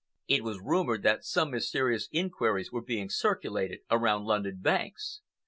It was rumored that some mysterious inquiries were being circulated around London banks.